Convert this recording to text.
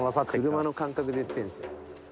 車の感覚で言ってるんですよ。